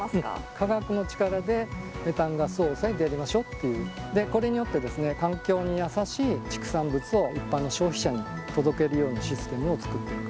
科学の力でメタンガスを抑えてやりましょうっていう、これによって、環境に優しい畜産物を一般の消費者に届けるようなシステムを作っていく。